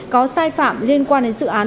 có sai phạm liên quan đến dự án